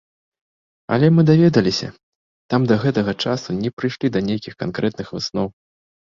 Але, мы даведаліся, там да гэтага часу не прыйшлі да нейкіх канкрэтных высноў.